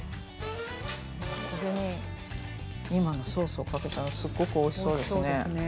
これに今のソースをかけたらすごくおいしそうですね。